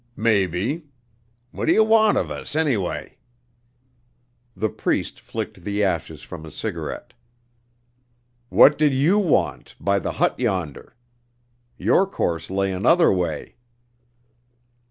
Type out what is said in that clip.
"Maybe. What d' ye want of us, anyway?" The Priest flicked the ashes from his cigarette. "What did you want by the hut yonder? Your course lay another way."